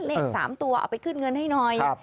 เลข๓ตัวเอาไปขึ้นเงินให้หน่อย